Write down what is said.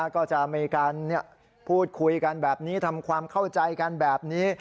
ก็จะมีการพูดคุยกันแบบนี้ทำความเข้าใจกันแบบนี้